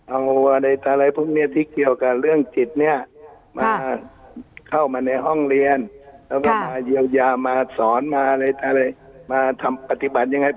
เอาอะไรอะไรพวกเนี้ยที่เกี่ยวกับเรื่องจิตเนี้ยค่ะเข้ามาในห้องเรียน